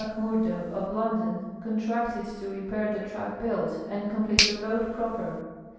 Murdo, of London, contracted to repair the track built and complete the road pro|)cr.